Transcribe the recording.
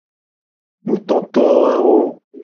Nutotowawo.